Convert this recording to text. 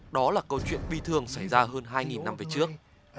đó là câu chuyện bi thường xảy ra hơn hai năm về trước